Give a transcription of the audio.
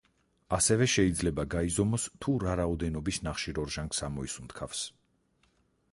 ასევე შეიძლება გაიზომოს, თუ რა რაოდენობის ნახშირორჟანგს ამოისუნთქავს.